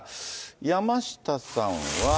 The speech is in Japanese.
山下さんは。